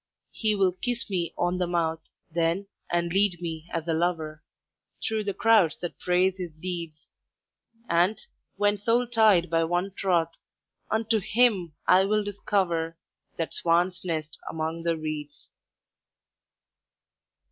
_' "He will kiss me on the mouth Then, and lead me as a lover Through the crowds that praise his deeds: And, when soul tied by one troth, Unto him I will discover That swan's nest among the reeds."